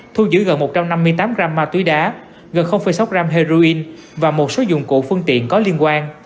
thu giữ gần một trăm năm mươi tám gram ma túy đá gần sáu gram heroin và một số dụng cụ phương tiện có liên quan